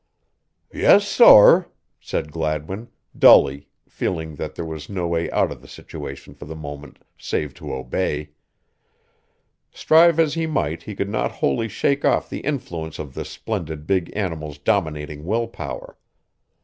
"Yes, sorr," said Gladwin, dully, feeling that there was no way out of the situation for the moment save to obey. Strive as he might he could not wholly shake off the influence of this splendid big animal's dominating will power.